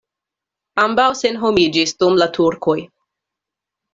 Ambaŭ senhomiĝis dum la turkoj.